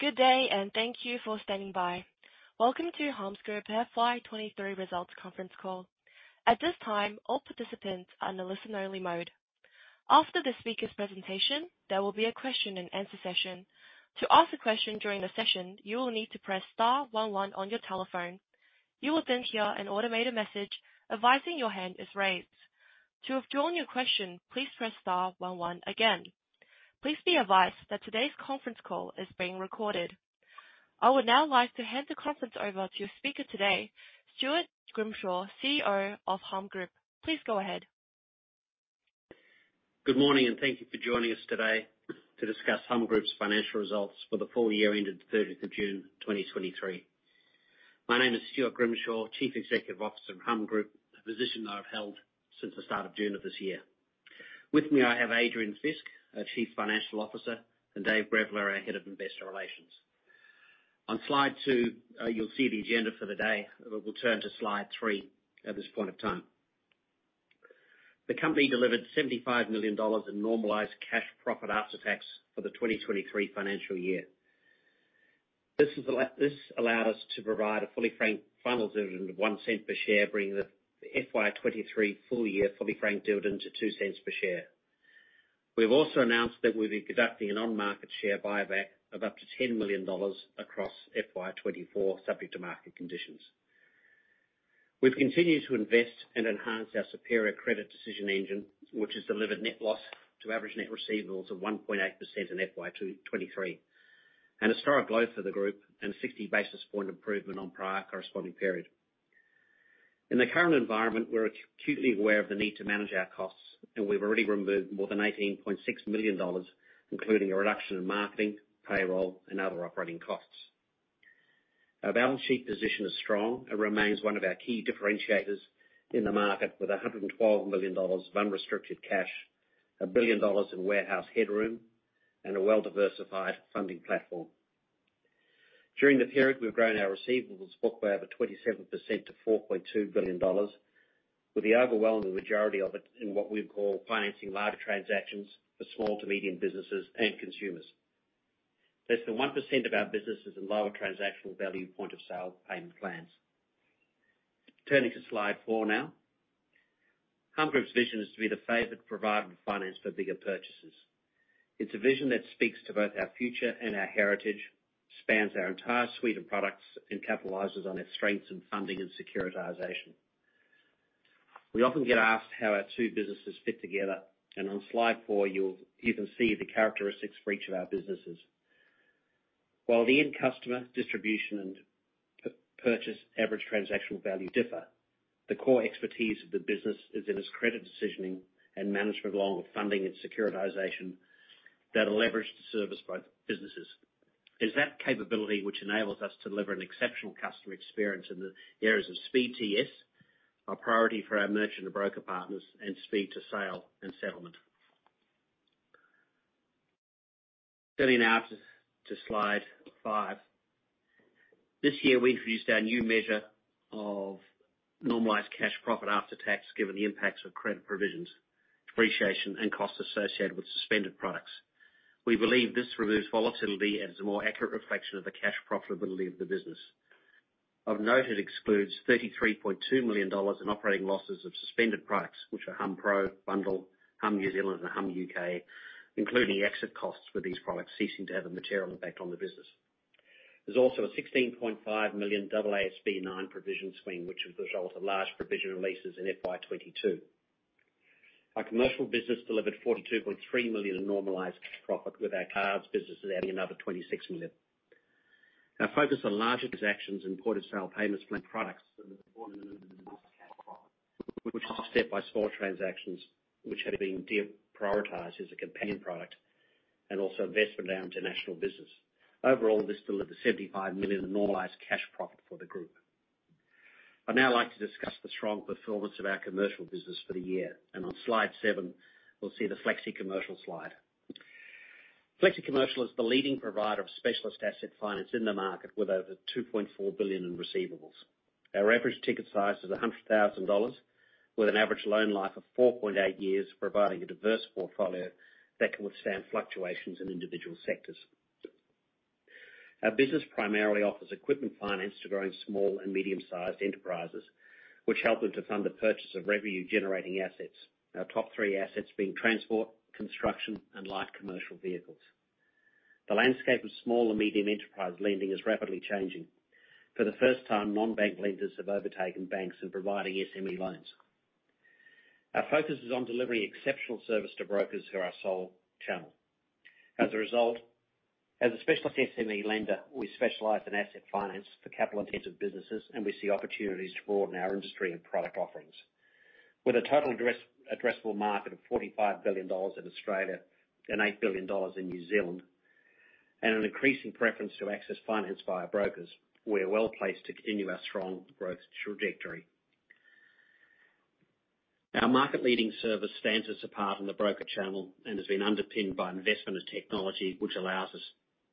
Good day, and thank you for standing by. Welcome to Humm Group FY2023 results conference call. At this time, all participants are in a listen-only mode. After the speaker's presentation, there will be a question-and-answer session. To ask a question during the session, you will need to press star one one on your telephone. You will then hear an automated message advising your hand is raised. To withdraw your question, please press star one one again. Please be advised that today's conference call is being recorded. I would now like to hand the conference over to your speaker today, Stuart Grimshaw, CEO of Humm Group. Please go ahead. Good morning, and thank you for joining us today to discuss Humm Group's financial results for the full year ended the 30th of June, 2023. My name is Stuart Grimshaw, Chief Executive Officer of Humm Group, a position that I've held since the start of June of this year. With me, I have Adrian Fisk, our Chief Financial Officer, and David Grevler, our Head of Investor Relations. On Slide two, you'll see the agenda for the day. We'll turn to slide three at this point in time. The company delivered 75 million dollars in normalized cash profit after tax for the 2023 financial year. This allowed us to provide a fully franked final dividend of 1 cent per share, bringing the FY2023 full year fully franked dividend to 0.02 per share. We've also announced that we'll be conducting an on-market share buyback of up to 10 million dollars across FY2024, subject to market conditions. We've continued to invest and enhance our superior credit decision engine, which has delivered net loss to average net receivables of 1.8% in FY2023, and a historic low for the group, and a 60 basis point improvement on prior corresponding period. In the current environment, we're acutely aware of the need to manage our costs, and we've already removed more than 18.6 million dollars, including a reduction in marketing, payroll, and other operating costs. Our balance sheet position is strong and remains one of our key differentiators in the market, with 112 million dollars of unrestricted cash, 1 billion dollars in warehouse headroom, and a well-diversified funding platform. During the period, we've grown our receivables book by over 27% to 4.2 billion dollars, with the overwhelming majority of it in what we call financing large transactions for small to medium businesses and consumers. Less than 1% of our business is in lower transactional value, point-of-sale payment plans. Turning to Slide four now. Humm Group's vision is to be the favored provider of finance for bigger purchases. It's a vision that speaks to both our future and our heritage, spans our entire suite of products, and capitalizes on its strengths in funding and securitization. We often get asked how our two businesses fit together, and on Slide four, you can see the characteristics for each of our businesses. While The ANR customer distribution and purchase average transactional value differ, the core expertise of the business is in its credit decisioning and management of funding and securitization that are leveraged to service both businesses. It's that capability which enables us to deliver an exceptional customer experience in the areas of speed to yes, a priority for our merchant and broker partners, and speed to sale and settlement. Turning now to Slide five. This year, we introduced our new measure of normalized cash profit after tax, given the impacts of credit provisions, depreciation, and costs associated with suspended products. We believe this removes volatility and is a more accurate reflection of the cash profitability of the business. Of note, it excludes 33.2 million dollars in operating losses of suspended products, which are hummPro, bundll, humm New Zealand, and humm U.K., including exit costs for these products, ceasing to have a material impact on the business. There's also a 16.5 million AASB 9 provision swing, which is the result of large provision releases in FY2022. Our commercial business delivered 42.3 million in normalized cash profit, with our cards businesses adding another 26 million. Our focus on larger transactions and point-of-sale payments plan products which is offset by small transactions, which have been deprioritized as a companion product, and also investment in our international business. Overall, this delivered 75 million in normalized cash profit for the group. I'd now like to discuss the strong performance of our commercial business for the year, and on Slide seven, we'll see the Flexicommercial slide. Flexicommercial is the leading provider of specialist asset finance in the market, with over 2.4 billion in receivables. Our average ticket size is 100,000 dollars, with an average loan life of 4.8 years, providing a diverse portfolio that can withstand fluctuations in individual sectors. Our business primarily offers equipment finance to growing small and medium-sized enterprises, which help them to fund the purchase of revenue-generating assets. Our top three assets being transport, construction, and light commercial vehicles. The landscape of small and medium enterprise lending is rapidly changing. For the first time, non-bank lenders have overtaken banks in providing SME loans. Our focus is on delivering exceptional service to brokers who are our sole channel. As a result, as a specialist SME lender, we specialize in asset finance for capital-intensive businesses, and we see opportunities to broaden our industry and product offerings. With a total addressable market of 45 billion dollars in Australia and 8 billion dollars in New Zealand, and an increasing preference to access finance via brokers, we are well-placed to continue our strong growth trajectory. Our market-leading service stands us apart in the broker channel and has been underpinned by an investment in technology, which allows us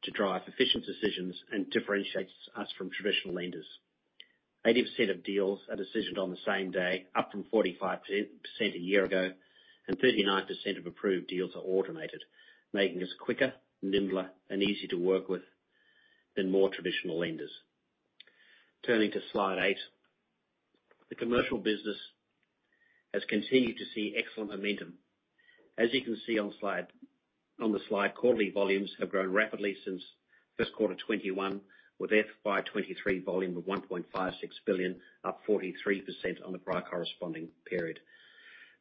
to drive efficient decisions and differentiates us from traditional lenders. 80% of deals are decisioned on the same day, up from 45% a year ago, and 39% of approved deals are automated, making us quicker, nimbler, and easier to work with than more traditional lenders. Turning to Slide 8. The commercial business has continued to see excellent momentum. As you can see on the slide, quarterly volumes have grown rapidly since first quarter 2021, with FY2023 volume of 1.56 billion, up 43% on the prior corresponding period.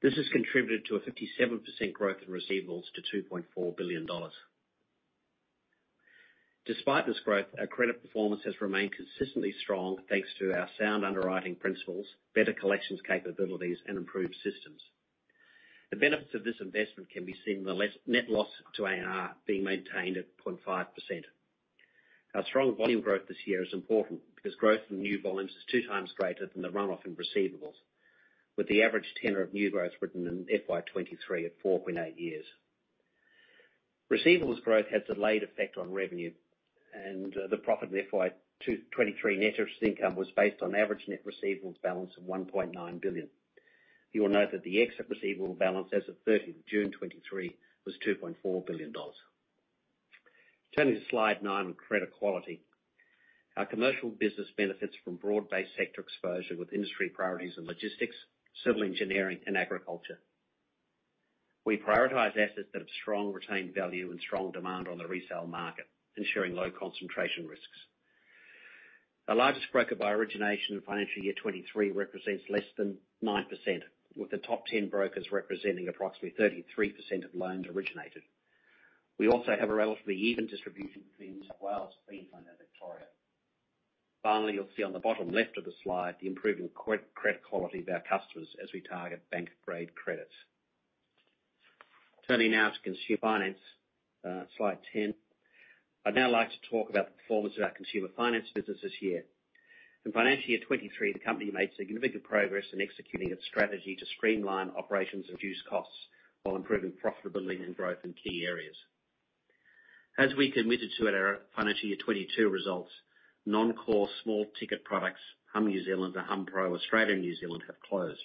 This has contributed to a 57% growth in receivables to 2.4 billion dollars. Despite this growth, our credit performance has remained consistently strong, thanks to our sound underwriting principles, better collections capabilities, and improved systems. The benefits of this investment can be seen in the low net loss to ANR being maintained at 0.5%. Our strong volume growth this year is important, because growth in new volumes is 2x greater than the runoff in receivables, with the average tenure of new growth written in FY2023 at 4.8 years. Receivables growth has a delayed effect on revenue, and the profit in FY2023 net interest income was based on average net receivables balance of 1.9 billion. You will note that the exit receivable balance as of 13th of June 2023, was 2.4 billion dollars. Turning to Slide nine on credit quality. Our commercial business benefits from broad-based sector exposure with industry priorities in logistics, civil engineering, and agriculture. We prioritize assets that have strong retained value and strong demand on the resale market, ensuring low concentration risks. Our largest broker by origination in financial year 2023, represents less than 9%, with the top 10 brokers representing approximately 33% of loans originated. We also have a relatively even distribution between New South Wales, Queensland, and Victoria. Finally, you'll see on the bottom left of the slide, the improving credit quality of our customers as we target bank-grade credits. Turning now to consumer finance, Slide 10. I'd now like to talk about the performance of our consumer finance business this year. In financial year 2023, the company made significant progress in executing its strategy to streamline operations and reduce costs, while improving profitability and growth in key areas. As we committed to at our financial year 2022 results, non-core small ticket products, humm New Zealand and hummPro Australia and New Zealand, have closed,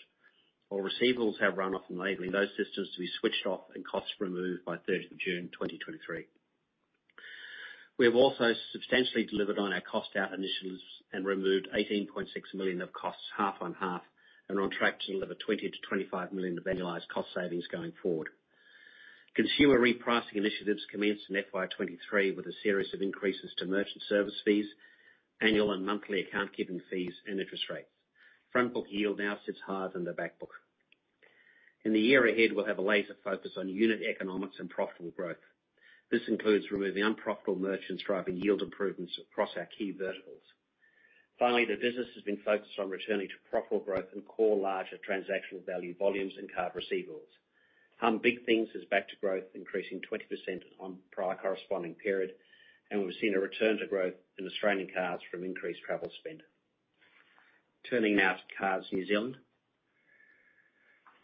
while receivables have run off, enabling those systems to be switched off and costs removed by 30th of June, 2023. We have also substantially delivered on our cost-out initiatives and removed 18.6 million of costs, half on half, and are on track to deliver 20-25 million of annualized cost savings going forward. Consumer repricing initiatives commenced in FY2023 with a series of increases to merchant service fees, annual and monthly account keeping fees, and interest rates. Front-book yield now sits higher than the back book. In the year ahead, we'll have a laser focus on unit economics and profitable growth. This includes removing unprofitable merchants, driving yield improvements across our key verticals. Finally, the business has been focused on returning to profitable growth and core larger transactional value volumes and card receivables. humm Big Things is back to growth, increasing 20% on prior corresponding period, and we've seen a return to growth in Australian Cards from increased travel spend. Turning now to Cards New Zealand.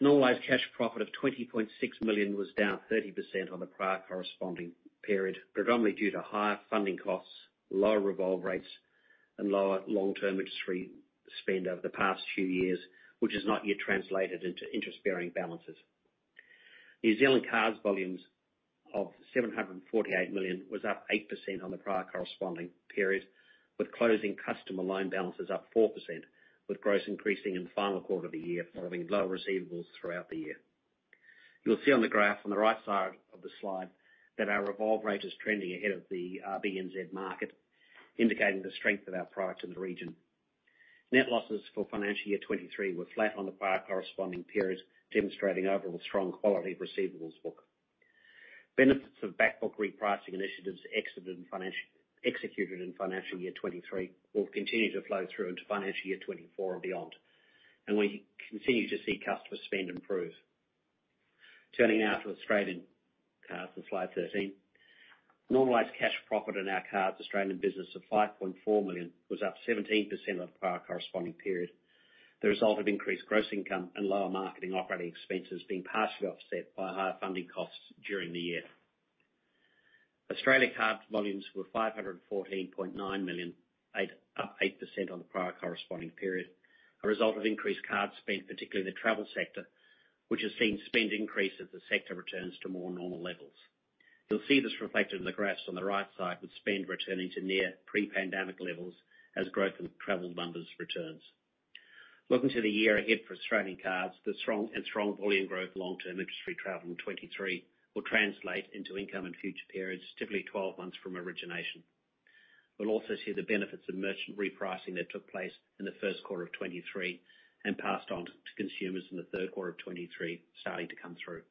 Normalized cash profit of 20.6 million was down 30% on the prior corresponding period, predominantly due to higher funding costs, lower revolve rates, and lower long-term industry spend over the past few years, which has not yet translated into interest-bearing balances. New Zealand Cards volumes of 748 million was up 8% on the prior corresponding periods, with closing customer loan balances up 4%, with gross increasing in the final quarter of the year, following lower receivables throughout the year. You'll see on the graph on the right side of the slide, that our revolve rate is trending ahead of the NZ market, indicating the strength of our products in the region. Net losses for financial year 2023 were flat on the prior corresponding periods, demonstrating overall strong quality of receivables book. Benefits of back book repricing initiatives executed in financial year 2023 will continue to flow through into financial year 2024 and beyond, and we continue to see customer spend improve. Turning now to Australian Cards on Slide 13. Normalized cash profit in our Cards Australian business of 5.4 million was up 17% on the prior corresponding period, the result of increased gross income and lower marketing operating expenses being partially offset by higher funding costs during the year. Australia Cards volumes were 514.9 million, up 8% on the prior corresponding period, a result of increased card spend, particularly in the travel sector, which has seen spend increase as the sector returns to more normal levels. You'll see this reflected in the graphs on the right side, with spend returning to near pre-pandemic levels as growth in travel numbers returns. Looking to the year ahead for Australian Cards, the strong and strong volume growth for long-term industry travel in 2023 will translate into income in future periods, typically 12 months from origination. We'll also see the benefits of merchant repricing that took place in the first quarter of 2023 and passed on to consumers in the third quarter of 2023, starting to come through.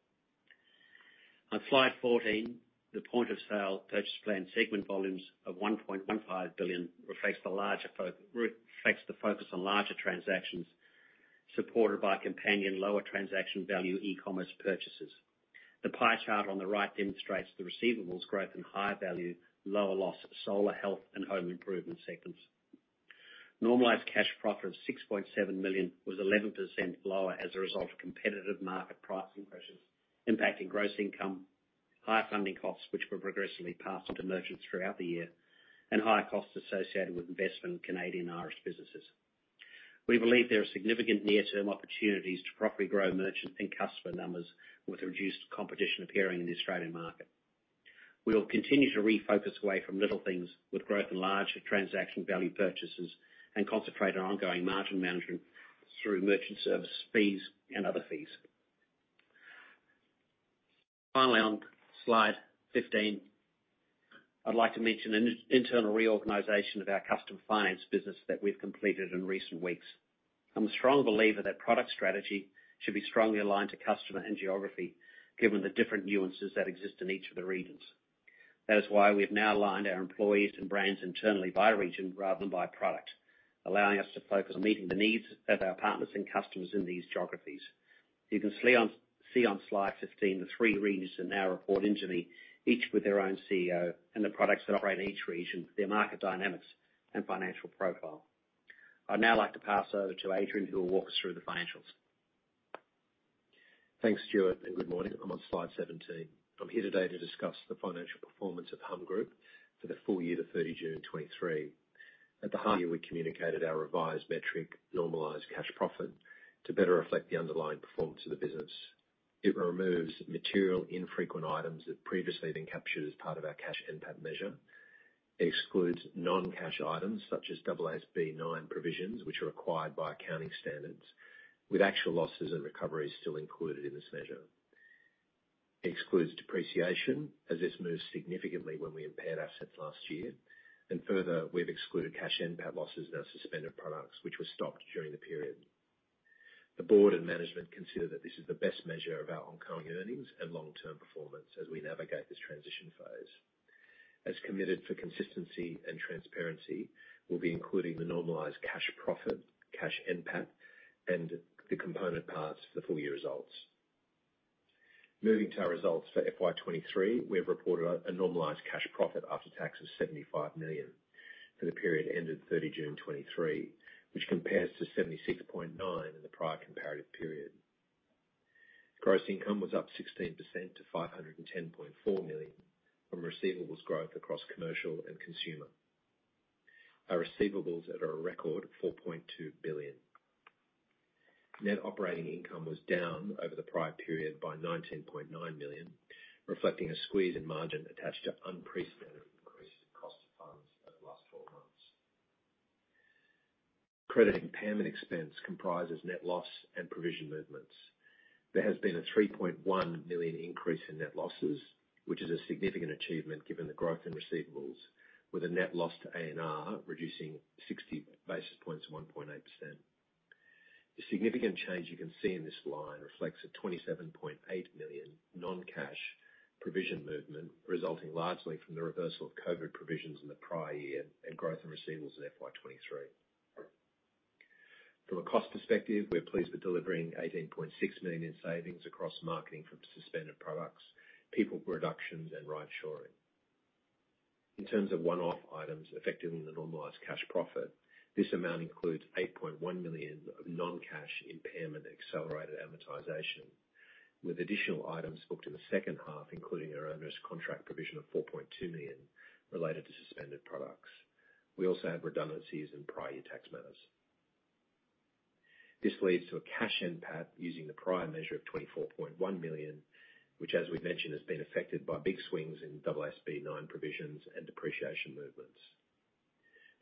On Slide 14, the point-of-sale payment plan segment volumes of 1.15 billion reflects the larger reflects the focus on larger transactions, supported by companion lower transaction value, e-commerce purchases. The pie chart on the right demonstrates the receivables growth in higher value, lower loss, solar, health, and home improvement segments. Normalized cash profit of 6.7 million was 11% lower as a result of competitive market pricing pressures impacting gross income, higher funding costs, which were progressively passed to merchants throughout the year, and higher costs associated with investment in Canadian and Irish businesses. We believe there are significant near-term opportunities to properly grow merchant and customer numbers with reduced competition appearing in the Australian market. We will continue to refocus away from Little Things with growth in larger transaction value purchases and concentrate on ongoing margin management through merchant service fees and other fees. Finally, on Slide 15, I'd like to mention an internal reorganization of our customer finance business that we've completed in recent weeks. I'm a strong believer that product strategy should be strongly aligned to customer and geography, given the different nuances that exist in each of the regions. That is why we have now aligned our employees and brands internally by region rather than by product, allowing us to focus on meeting the needs of our partners and customers in these geographies. You can see on Slide 15, the three regions that now report into me, each with their own CEO and the products that operate in each region, their market dynamics and financial profile. I'd now like to pass over to Adrian, who will walk us through the financials. Thanks, Stuart, and good morning. I'm on slide 17. I'm here today to discuss the financial performance of Humm Group for the full year to 30th June 2023. At the half year, we communicated our revised metric, normalized cash profit, to better reflect the underlying performance of the business. It removes material infrequent items that previously been captured as part of our cash NPAT measure. It excludes non-cash items such as AASB 9 provisions, which are required by accounting standards, with actual losses and recoveries still included in this measure. Excludes depreciation, as this moved significantly when we impaired assets last year, and further, we've excluded cash NPAT losses and our suspended products, which were stopped during the period. The board and management consider that this is the best measure of our ongoing earnings and long-term performance as we navigate this transition phase. As committed for consistency and transparency, we'll be including the normalized cash profit, cash NPAT, and the component parts for the full-year results. Moving to our results for FY2023, we have reported a normalized cash profit after tax of 75 million for the period ended 30 June 2023, which compares to 76.9 million in the prior comparative period. Gross income was up 16% to 510.4 million from receivables growth across commercial and consumer. Our receivables are at a record of 4.2 billion. Net operating income was down over the prior period by 19.9 million, reflecting a squeeze in margin attached to unprecedented increased cost of funds over the last four months. Credit impairment expense comprises net loss and provision movements. There has been an 3.1 million increase in net losses, which is a significant achievement given the growth in receivables, with a net loss to ANR, reducing 60 basis points to 1.8%. The significant change you can see in this line reflects an 27.8 million non-cash provision movement, resulting largely from the reversal of COVID provisions in the prior year and growth in receivables in FY2023. From a cost perspective, we're pleased with delivering 18.6 million in savings across marketing from suspended products, people reductions, and right-shoring. In terms of one-off items affecting the normalized cash profit, this amount includes 8.1 million of non-cash impairment accelerated amortization, with additional items booked in the second half, including our onerous contract provision of 4.2 million related to suspended products. We also had redundancies in prior year tax matters. This leads to a cash NPAT using the prior measure of 24.1 million, which, as we've mentioned, has been affected by big swings in AASB 9 provisions and depreciation movements,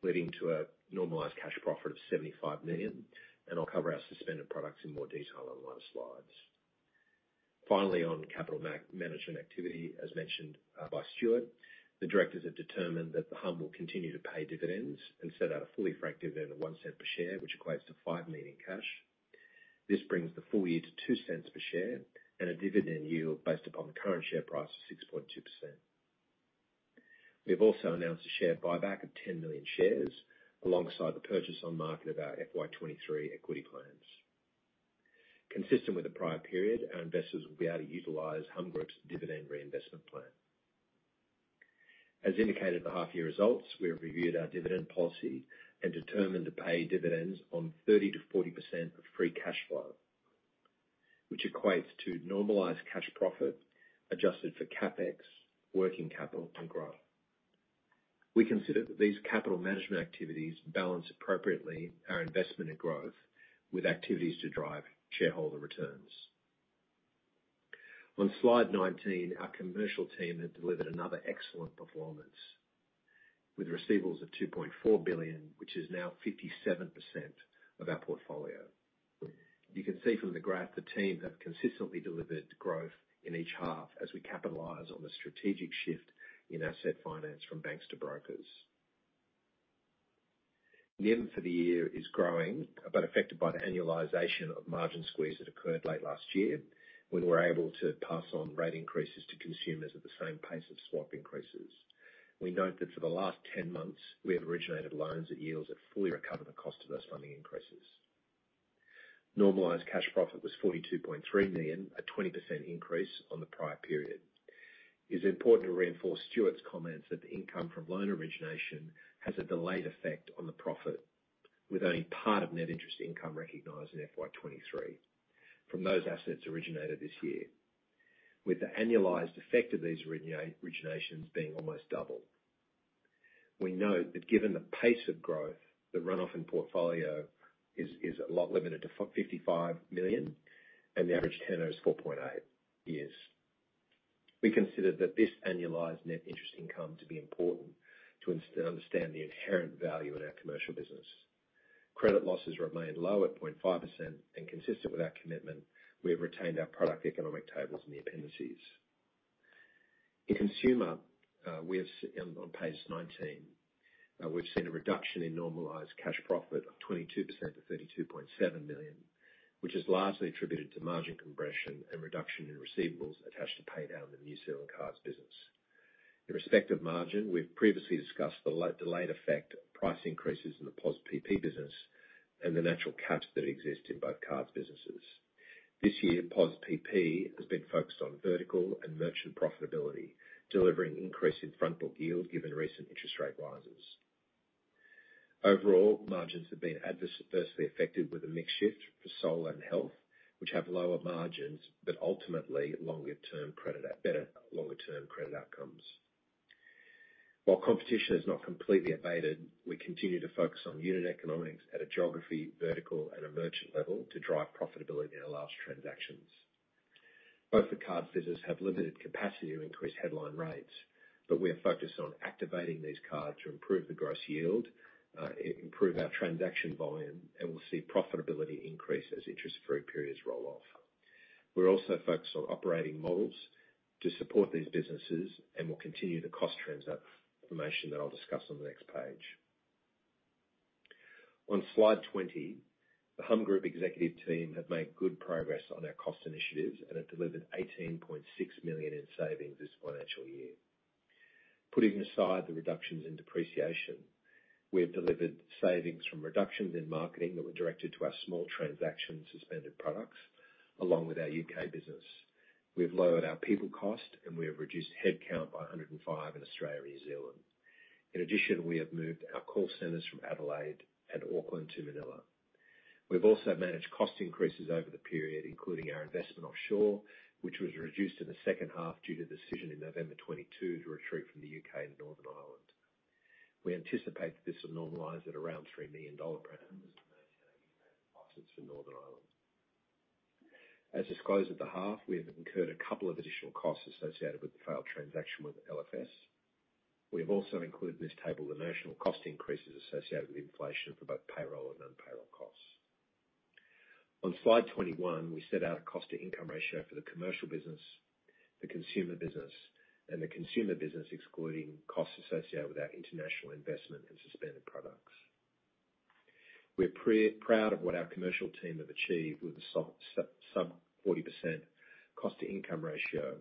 leading to a normalized cash profit of 75 million, and I'll cover our suspended products in more detail on later slides. Finally, on capital management activity, as mentioned by Stuart, the directors have determined that humm will continue to pay dividends and set out a fully franked dividend of 0.01 per share, which equates to 5 million in cash. This brings the full year to 0.02 per share and a dividend yield based upon the current share price of 6.2%. We have also announced a share buyback of 10 million shares, alongside the purchase on market of our FY2023 equity plans. Consistent with the prior period, our investors will be able to utilize Humm Group's dividend reinvestment plan. As indicated in the half year results, we have reviewed our dividend policy and determined to pay dividends on 30%-40% of free cash flow, which equates to normalized cash profit, adjusted for CapEx, working capital, and growth. We consider that these capital management activities balance appropriately our investment and growth with activities to drive shareholder returns. On Slide 19, our commercial team have delivered another excellent performance with receivables of 2.4 billion, which is now 57% of our portfolio. You can see from the graph, the team have consistently delivered growth in each half as we capitalize on the strategic shift in asset finance from banks to brokers. The ANR for the year is growing, but affected by the annualization of margin squeeze that occurred late last year, when we're able to pass on rate increases to consumers at the same pace of swap increases. We note that for the last 10 months, we have originated loans at yields that fully recover the cost of those funding increases. Normalized cash profit was 42.3 million, a 20% increase on the prior period. It's important to reinforce Stuart's comments that the income from loan origination has a delayed effect on the profit. with only part of net interest income recognized in FY2023 from those assets originated this year, with the annualized effect of these originations being almost double. We know that given the pace of growth, the runoff in portfolio is a lot limited to 55 million, and the average tenure is 4.8 years. We consider that this annualized net interest income to be important to understand the inherent value in our commercial business. Credit losses remained low at 0.5%, and consistent with our commitment, we have retained our product economic tables in the appendices. In consumer, we have seen on page 19, we've seen a reduction in normalized cash profit of 22% to 32.7 million, which is largely attributed to margin compression and reduction in receivables attached to paydown in the New Zealand cards business. In respective margin, we've previously discussed the delayed effect of price increases in the POSPP business and the natural caps that exist in both cards businesses. This year, POSPP has been focused on vertical and merchant profitability, delivering increase in front book yield, given recent interest rate rises. Overall, margins have been adversely affected with a mix shift for solar and health, which have lower margins, but ultimately, longer term credit better longer-term credit outcomes. While competition has not completely abated, we continue to focus on unit economics at a geography, vertical, and a merchant level to drive profitability in our last transactions. Both the card business have limited capacity to increase headline rates, but we are focused on activating these cards to improve the gross yield, improve our transaction volume, and we'll see profitability increase as interest free periods roll off. We're also focused on operating models to support these businesses, and we'll continue the cost trends, information that I'll discuss on the next page. On Slide 20, the humm group executive team have made good progress on our cost initiatives and have delivered 18.6 million in savings this financial year. Putting aside the reductions in depreciation, we have delivered savings from reductions in marketing that were directed to our small transaction suspended products, along with our U.K. business. We've lowered our people cost, and we have reduced headcount by 105 in Australia and New Zealand. In addition, we have moved our call centers from Adelaide and Auckland to Manila. We've also managed cost increases over the period, including our investment offshore, which was reduced in the second half due to the decision in November 2022 to retreat from the U.K. and Northern Ireland. We anticipate that this will normalize at around 3 million dollars per annum for Northern Ireland. As disclosed at the half, we have incurred a couple of additional costs associated with the failed transaction with LFS. We have also included in this table the national cost increases associated with inflation for both payroll and non-payroll costs. On Slide 21, we set out a cost to income ratio for the commercial business, the consumer business, and the consumer business, excluding costs associated with our international investment in suspended products. We're proud of what our commercial team have achieved with the sub-40% cost to income ratio,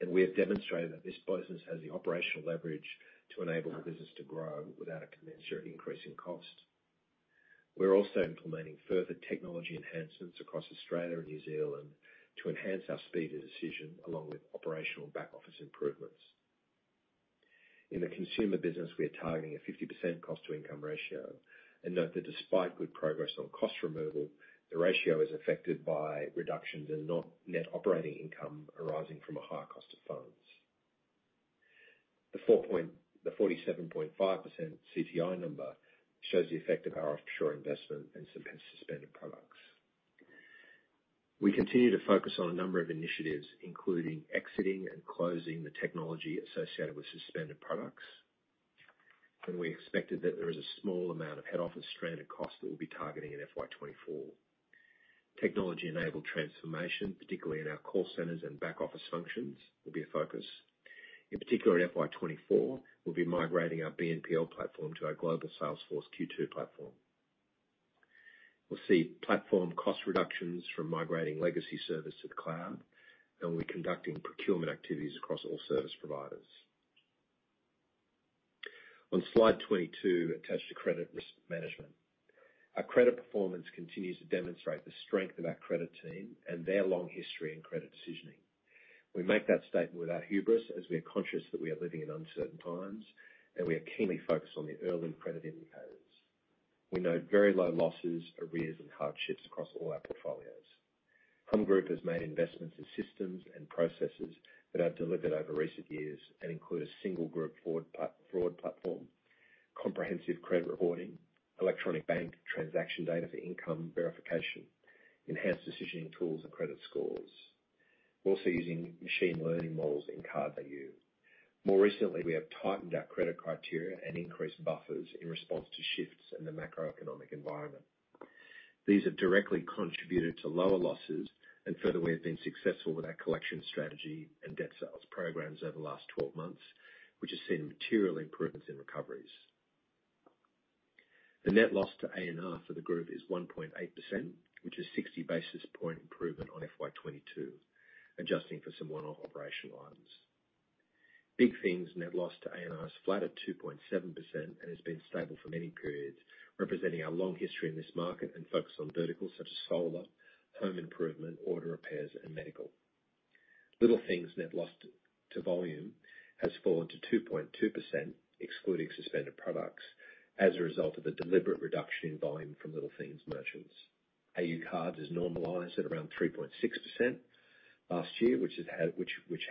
and we have demonstrated that this business has the operational leverage to enable the business to grow without a commensurate increase in cost. We're also implementing further technology enhancements across Australia and New Zealand to enhance our speed of decision, along with operational back-office improvements. In the consumer business, we are targeting a 50% cost to income ratio. Note that despite good progress on cost removal, the ratio is affected by reductions in net operating income arising from a higher cost of funds. The 47.5% CTI number shows the effect of our offshore investment in suspended products. We continue to focus on a number of initiatives, including exiting and closing the technology associated with suspended products, and we expect that there is a small amount of head office stranded costs that we'll be targeting in FY2024. Technology-enabled transformation, particularly in our call centers and back-office functions, will be a focus. In particular, in FY2024, we'll be migrating our BNPL platform to our global Salesforce Q2 platform. We'll see platform cost reductions from migrating legacy service to the cloud, and we'll be conducting procurement activities across all service providers. On Slide 22, attached to credit risk management. Our credit performance continues to demonstrate the strength of our credit team and their long history in credit decisioning. We make that statement without hubris, as we are conscious that we are living in uncertain times, and we are keenly focused on the early credit indicators. We note very low losses, arrears, and hardships across all our portfolios. humm group has made investments in systems and processes that have delivered over recent years and include a single group fraud platform, comprehensive credit reporting, electronic bank transaction data for income verification, enhanced decisioning tools, and credit scores. We're also using machine learning models in credit value. More recently, we have tightened our credit criteria and increased buffers in response to shifts in the macroeconomic environment. These have directly contributed to lower losses, and further, we have been successful with our collection strategy and debt sales programs over the last 12 months, which has seen material improvements in recoveries. The net loss to ANR for the group is 1.8%, which is 60 basis point improvement on FY2022, adjusting for some one-off operational items. Big Things net loss to ANR is flat at 2.7% and has been stable for many periods, representing our long history in this market and focus on verticals such as solar, home improvement, auto repairs, and medical. Little Things net loss to volume has fallen to 2.2%, excluding suspended products, as a result of a deliberate reduction in volume from Little Things merchants. AU cards is normalized at around 3.6% last year, which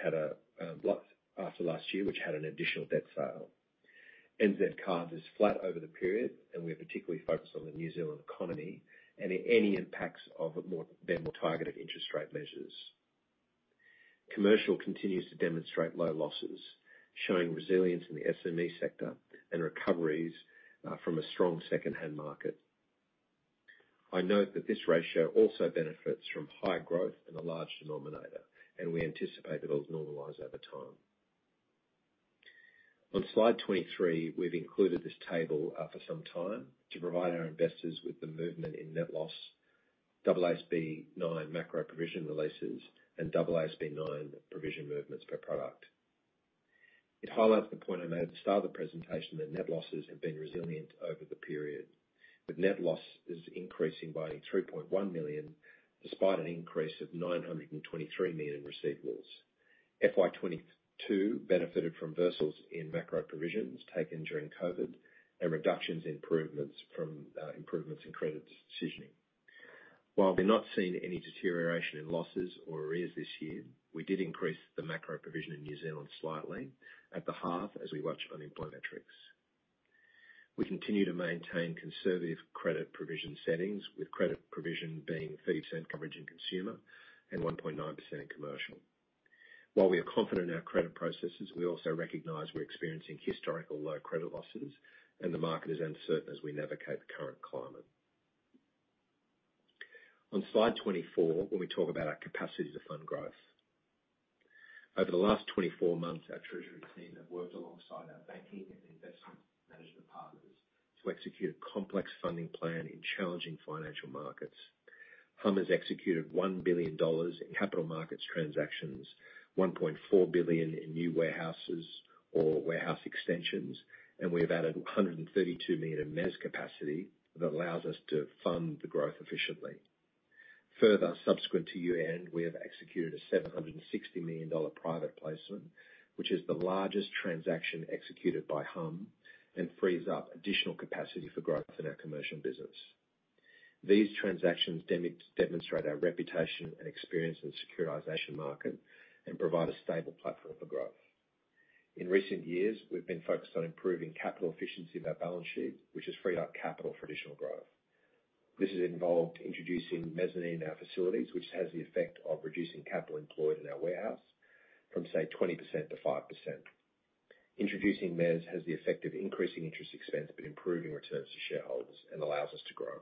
had a block after last year, which had an additional debt sale. NZ cards is flat over the period, and we're particularly focused on the New Zealand economy and any impacts of their more targeted interest rate measures. Commercial continues to demonstrate low losses, showing resilience in the SME sector and recoveries from a strong secondhand market. I note that this ratio also benefits from high growth and a large denominator, and we anticipate that it'll normalize over time. On slide 23, we've included this table for some time to provide our investors with the movement in net loss, AASB 9 macro provision releases, and AASB 9 provision movements per product. It highlights the point I made at the start of the presentation, that net losses have been resilient over the period, with net loss increasing by 3.1 million, despite an increase of 923 million in receivables. FY2022 benefited from reversals in macro provisions taken during COVID and reductions in improvements from improvements in credit decisioning. While we've not seen any deterioration in losses or arrears this year, we did increase the macro provision in New Zealand slightly at the half as we watched unemployment metrics. We continue to maintain conservative credit provision settings, with credit provision being 50% coverage in consumer and 1.9% in commercial. While we are confident in our credit processes, we also recognize we're experiencing historical low credit losses, and the market is uncertain as we navigate the current climate. On slide 24, when we talk about our capacity to fund growth. Over the last 24 months, our treasury team have worked alongside our banking and investment management partners to execute a complex funding plan in challenging financial markets. Humm has executed 1 billion dollars in capital markets transactions, 1.4 billion in new warehouses or warehouse extensions, and we have added 132 million in mezz capacity that allows us to fund the growth efficiently. Further, subsequent to year-end, we have executed a 760 million dollar private placement, which is the largest transaction executed by Humm and frees up additional capacity for growth in our commercial business. These transactions demonstrate our reputation and experience in the securitization market and provide a stable platform for growth. In recent years, we've been focused on improving capital efficiency of our balance sheet, which has freed up capital for additional growth. This has involved introducing mezzanine in our facilities, which has the effect of reducing capital employed in our warehouse from, say, 20%-5%. Introducing mezz has the effect of increasing interest expense, but improving returns to shareholders and allows us to grow.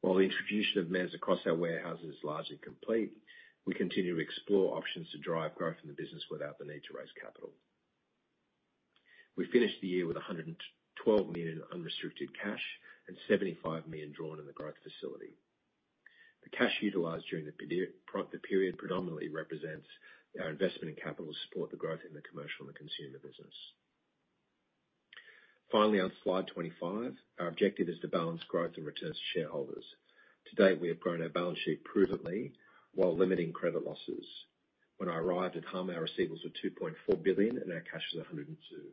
While the introduction of mezz across our warehouses is largely complete, we continue to explore options to drive growth in the business without the need to raise capital. We finished the year with 112 million in unrestricted cash and 75 million drawn in the growth facility. The cash utilized during the period, for the period, predominantly represents our investment in capital to support the growth in the commercial and the consumer business. Finally, on slide 25, our objective is to balance growth and returns to shareholders. To date, we have grown our balance sheet prudently while limiting credit losses. When I arrived at humm, our receivables were 2.4 billion, and our cash was 102 million.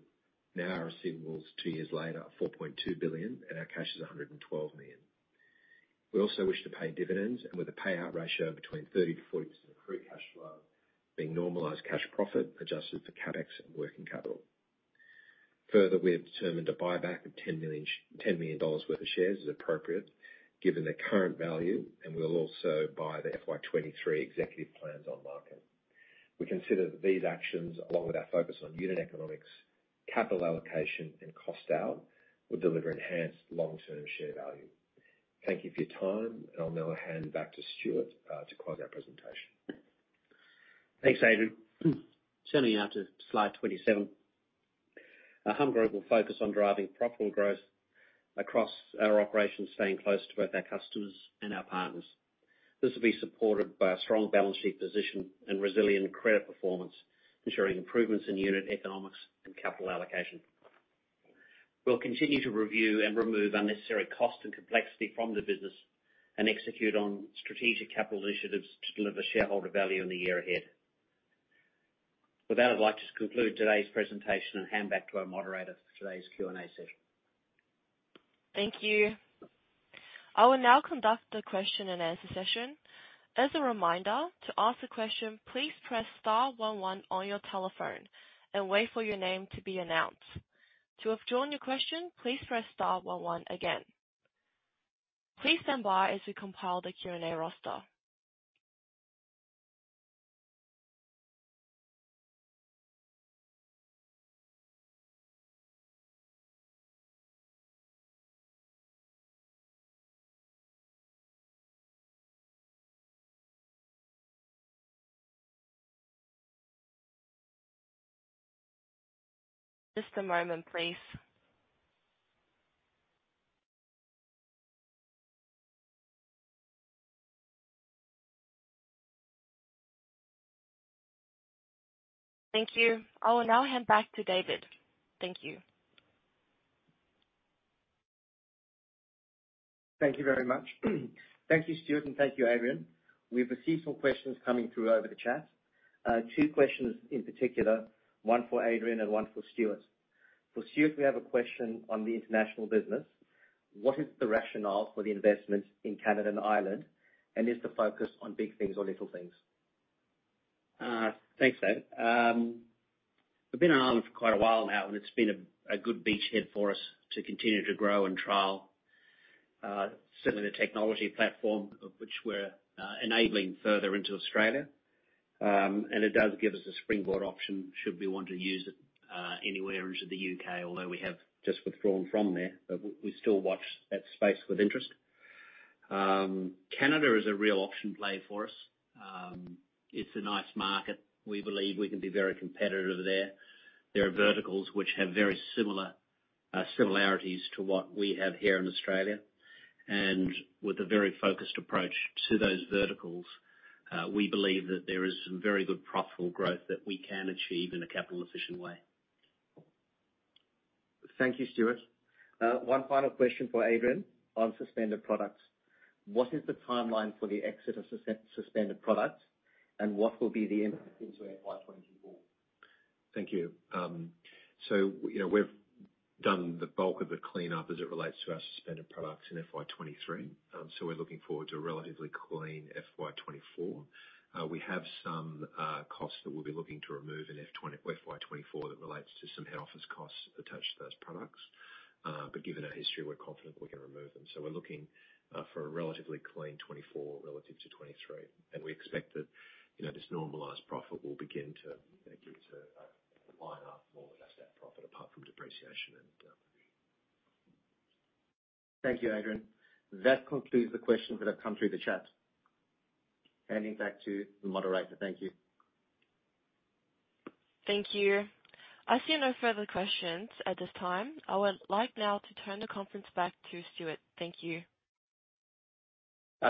Now, our receivables two years later are 4.2 billion, and our cash is 112 million. We also wish to pay dividends, and with a payout ratio between 30%-40% of free cash flow, being normalized cash profit, adjusted for CapEx and working capital. Further, we have determined a buyback of AUD 10 million, 10 million dollars worth of shares is appropriate given the current value, and we'll also buy the FY2023 executive plans on market. We consider these actions, along with our focus on unit economics, capital allocation, and cost out, will deliver enhanced long-term share value. Thank you for your time, and I'll now hand back to Stuart, to close our presentation. Thanks, Adrian. Turning now to slide 27. Humm group will focus on driving profitable growth across our operations, staying close to both our customers and our partners. This will be supported by a strong balance sheet position and resilient credit performance, ensuring improvements in unit economics and capital allocation. We'll continue to review and remove unnecessary cost and complexity from the business and execute on strategic capital initiatives to deliver shareholder value in the year ahead. With that, I'd like to conclude today's presentation and hand back to our moderator for today's Q&A session. Thank you. I will now conduct the question-and-answer session. As a reminder, to ask a question, please press star one one on your telephone and wait for your name to be announced. To withdraw your question, please press star one one again. Please stand by as we compile the Q&A roster. Just a moment, please. Thank you. I will now hand back to David. Thank you. Thank you very much. Thank you, Stuart, and thank you, Adrian. We've received some questions coming through over the chat. Two questions in particular, one for Adrian and one for Stuart. For Stuart, we have a question on the international business: "What is the rationale for the investments in Canada and Ireland, and is the focus on big things or Little Things? Thanks, Dave. We've been in Ireland for quite a while now, and it's been a good beachhead for us to continue to grow and trial certainly the technology platform of which we're enabling further into Australia. And it does give us a springboard option, should we want to use it, anywhere into the U.K., although we have just withdrawn from there, but we still watch that space with interest. Canada is a real option play for us. It's a nice market. We believe we can be very competitive there. There are verticals which have very similar similarities to what we have here in Australia, and with a very focused approach to those verticals, we believe that there is some very good profitable growth that we can achieve in a capital-efficient way. Thank you, Stuart. One final question for Adrian on suspended products: "What is the timeline for the exit of suspended products, and what will be the impact into FY2024? Thank you. So you know, we've done the bulk of the cleanup as it relates to our suspended products in FY2023. So we're looking forward to a relatively clean FY2024. We have some costs that we'll be looking to remove in FY2024, that relates to some head office costs attached to those products. But given our history, we're confident we can remove them. So we're looking for a relatively clean 2024 relative to 2023, and we expect that, you know, this normalized profit will begin to line up more with asset profit apart from depreciation and Thank you, Adrian. That concludes the questions that have come through the chat. Handing back to the moderator. Thank you. Thank you. I see no further questions at this time. I would like now to turn the conference back to Stuart. Thank you.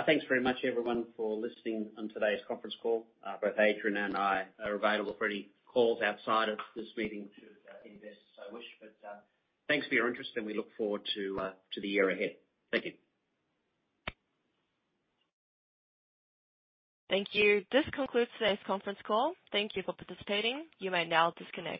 Thanks very much, everyone, for listening on today's conference call. Both Adrian and I are available for any calls outside of this meeting to any investors so wish. Thanks for your interest, and we look forward to the year ahead. Thank you. Thank you. This concludes today's conference call. Thank you for participating. You may now disconnect.